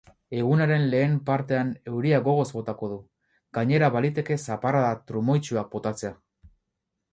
Egunaren lehen partean euria gogoz botako du, gainera baliteke zaparrada trumoitsuak botatzea.